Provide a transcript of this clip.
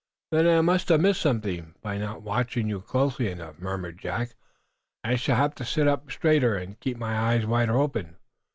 "Then I must have missed something, by not watching you closely enough," murmured Jack. "I shall have to sit up straighter and keep my eyes wider open.